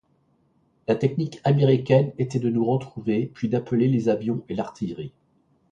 La technique américaine était de nous retrouver, puis d'appeler les avions et l'artillerie.